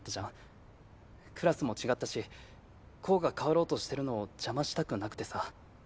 クラスも違ったしコウが変わろうとしてるのを邪魔したくなくてさ。